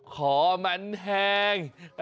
ขอมันแห้ง